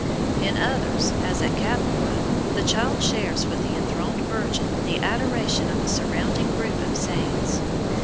In others, as at Capua, the Child shares with the enthroned Virgin the adoration of a surrounding group of saints.